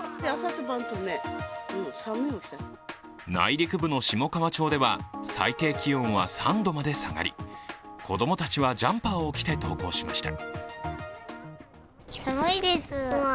内陸部の下川町では最低気温は３度まで下がり子供たちはジャンパーを着て登校しました。